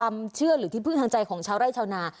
เชื่อหรือที่พึ่งทางใจของชาวไร่ชาวนา